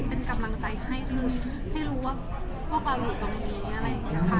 เป็นกำลังใจให้คือให้รู้ว่าพวกเราอยู่ตรงนี้อะไรอย่างนี้ค่ะ